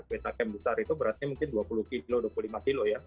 beta cam besar itu beratnya mungkin dua puluh kg dua puluh lima kg ya